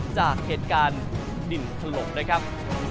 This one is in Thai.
จากเหตุการณ์ดินถล่มนะครับ